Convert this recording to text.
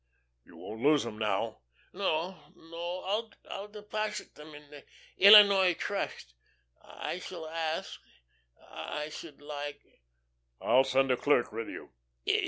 "You won't lose 'em, now?" "No, no. I'll deposit them at once in the Illinois Trust. I shall ask I should like."